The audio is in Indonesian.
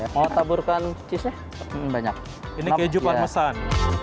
mau taburkan cheese banyak ini keju parmesan